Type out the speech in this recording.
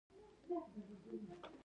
ناشکري د نعمتونو د لاسه ورکولو لامل کیږي.